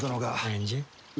何じゃい？